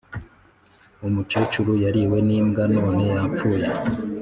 Umucecuru yariwe ni mbwa none yapfuye